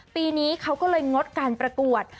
ปีนี้เขาก็เลยงดการประกวด